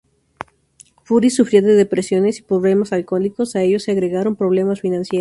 Fury sufría depresiones y problemas alcohólicos, a ello se agregaron problemas financieros.